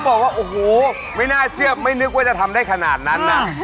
บอกว่าโอ้โหไม่น่าเชื่อไม่นึกว่าจะทำได้ขนาดนั้นน่ะ